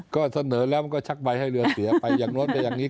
ก็เสนอแล้วมันก็ชักใบให้เรือเสียไปอย่างโน้นไปอย่างนี้